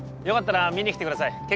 よかったら見に来てください。